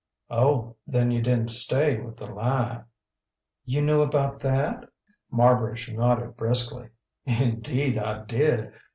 "Oh, then you didn't stay with 'The Lie'?" "You knew about that?" Marbridge nodded briskly. "Indeed, I did!